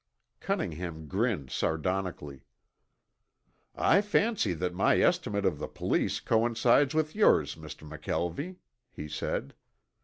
Cunningham grinned sardonically. "I fancy that my estimate of the police coincides with yours, Mr. McKelvie," he said.